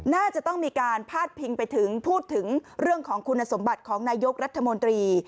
น่าจะต้องมีการพาดพิงไปถึงพูดถึงเรื่องของคุณสมบัติของนายกรัฐมนตรี